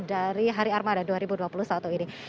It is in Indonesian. dari hari armada dua ribu dua puluh satu ini